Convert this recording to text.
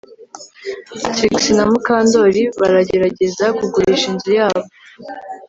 Trix na Mukandoli baragerageza kugurisha inzu yabo